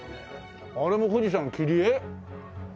あれも富士山切り絵？